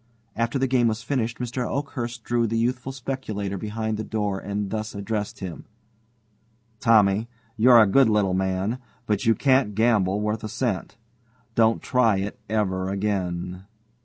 After the game was finished, Mr. Oakhurst drew the youthful speculator behind the door and thus addressed him: "Tommy, you're a good little man, but you can't gamble worth a cent. Don't try it over again."